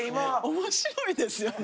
面白いですよね。